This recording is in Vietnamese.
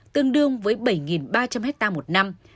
tương đương với bảy ba trăm linh hectare một năm